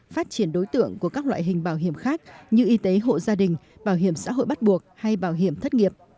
phát triển đối tượng của các loại hình bảo hiểm khác như y tế hộ gia đình bảo hiểm xã hội bắt buộc hay bảo hiểm thất nghiệp